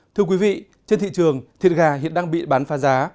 thưa quý vị trên thị trường thịt gà hiện đang bị bán phá giá